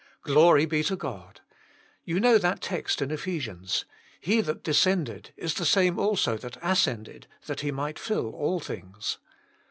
Glory be to God! You know that text in Ephesians: <<He th9,t descended is the same also that ascended, that He might fill all things."